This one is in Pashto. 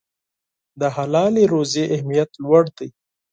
د حلالې روزي اهمیت لوړ دی.